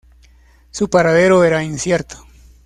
Su paradero era incierto.